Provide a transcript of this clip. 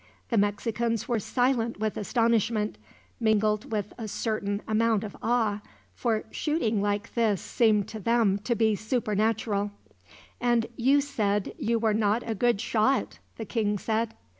The Mexicans were silent with astonishment, mingled with a certain amount of awe, for shooting like this seemed to them to be supernatural. "And you said you were not a good shot!" the king said.